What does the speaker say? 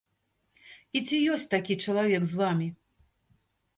І ці ёсць такі чалавек з вамі?